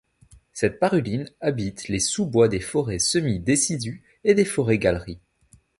Cette paruline habite les sous-bois des forêts semi-décidues et des forêts-galeries.